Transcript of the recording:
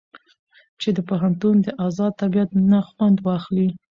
چې د پوهنتون د ازاد طبيعت نه خوند واخلي.